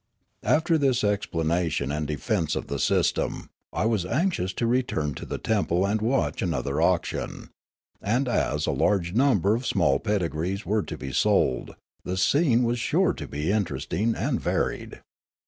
After this explanation and defence of the system, I was anxious to return to the temple and watch another auction ; and as a large number of small pedigrees were to be sold, the scene was sure to be interesting and varied.